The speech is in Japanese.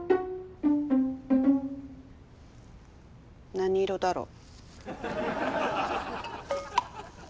何色だろう？